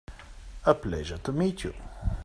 A pleasure to meet you.